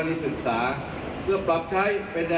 โดยทำแผนมาเชิญเหตุ